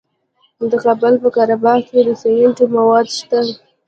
د کابل په قره باغ کې د سمنټو مواد شته.